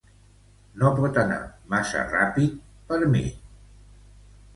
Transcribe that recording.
No pot anar massa ràpid per mi.